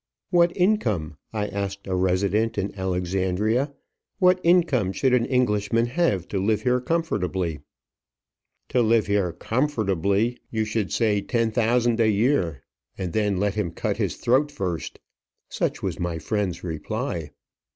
"What income," I asked a resident in Alexandria, "what income should an Englishman have to live here comfortably?" "To live here comfortably, you should say ten thousand a year, and then let him cut his throat first!" Such was my friend's reply.